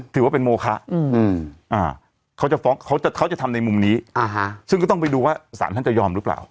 ถือว่าเป็นโมคะเขาจะฟ้องเขาจะทำในมุมนี้ซึ่งก็ต้องไปดูว่าสารท่านจะยอมหรือเปล่า